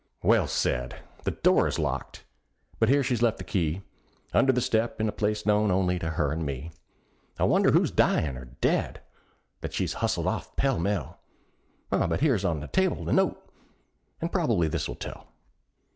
Well said! the door is locked! but here she's left the key, Under the step, in a place known only to her and me; I wonder who's dyin' or dead, that she's hustled off pell mell: But here on the table's a note, and probably this will tell.